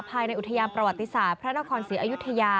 ภายในอุทยานประวัติศาสตร์พระนครศรีอยุธยา